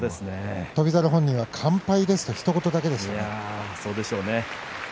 翔猿本人は完敗ですとひと言だけでした。